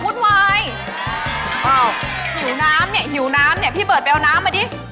หิวน้ำเนี่ยพี่เบิร์ตไปเอาน้ำออกดิ